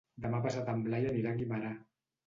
Demà passat en Blai anirà a Guimerà.